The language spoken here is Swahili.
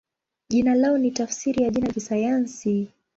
Jina lao ni tafsiri ya jina la kisayansi.